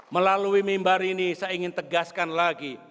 melalui mimbar ini saya ingin tegaskan lagi